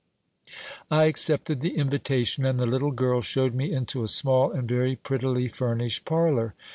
I accepted the invitation, and the little girl showed me into a small and very prettily furnished parlor.